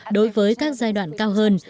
đối với các giai đoạn cao hơn